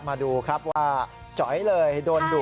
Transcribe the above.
มาดูครับว่าจ๋อยเลยโดนดุ